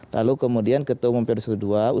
lalu kemudian ketemu dua ratus dua belas